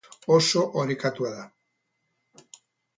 Oso orekatua da.